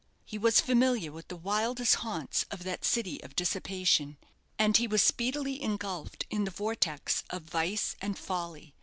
He was familiar with the wildest haunts of that city of dissipation, and he was speedily engulphed in the vortex of vice and folly.